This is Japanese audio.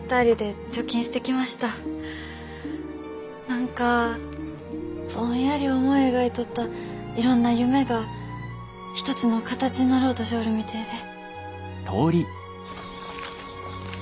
何かぼんやり思い描いとったいろんな夢が一つの形になろうとしょおるみてえで。